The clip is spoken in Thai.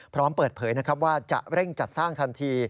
พร้อมเปิดเผยนะครับว่าจะเร่งจัดสร้างทันที